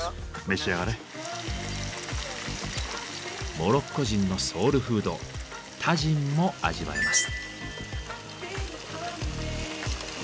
モロッコ人のソウルフードタジンも味わえます。